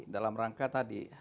dalam rangka tadi